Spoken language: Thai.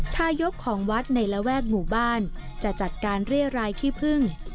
ทายกของวัดในระแวกหมู่บ้านจะจัดการเรียรายขี้พึ่ง